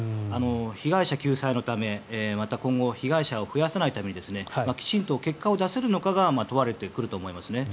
被害者救済のためまた、今後被害者を増やさないためにきちんと結果を出せるのかが問われてくると思います。